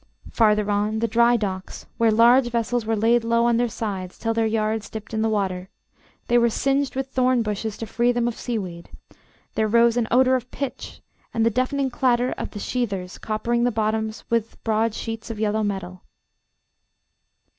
Farther on, the dry docks, where large vessels were laid low on their sides till their yards dipped in the water; they were singed with thorn bushes to free them of sea weed; there rose an odour of pitch, and the deafening clatter of the sheathers coppering the bottoms with broad sheets of yellow metal.